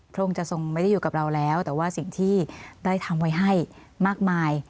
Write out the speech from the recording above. พระองค์จะทรงไม่ได้อยู่กับเราแล้วแต่ว่าสิ่งที่ได้ทำไว้ให้มากมาย